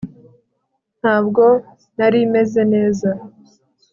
Ntabwo nari meze neza